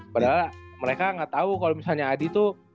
padahal mereka gak tau kalo misalnya adi tuh